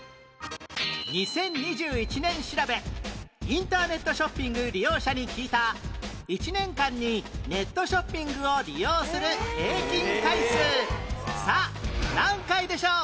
インターネットショッピング利用者に聞いた１年間にネットショッピングを利用する平均回数さあ何回でしょう？